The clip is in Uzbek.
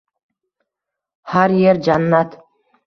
Har yer "jannat".